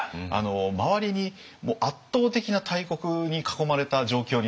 周りに圧倒的な大国に囲まれた状況になってるんです。